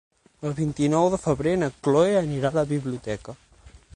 El vint-i-nou de febrer na Cloè anirà a la biblioteca.